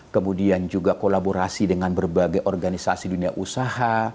kemudian juga kolaborasi dengan berbagai organisasi dunia usaha